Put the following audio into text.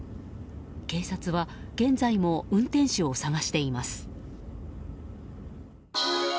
警察は現在も運転手を捜しています。